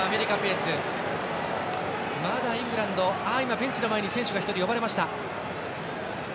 イングランドはベンチ前に選手が呼ばれました。